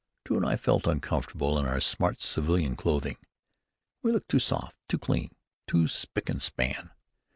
Drew and I felt uncomfortable in our smart civilian clothing. We looked too soft, too clean, too spick and span.